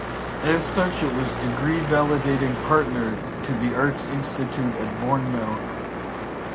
As such it was degree validating partner to The Arts Institute at Bournemouth.